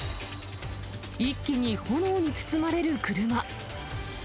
一気に炎に包まれる車。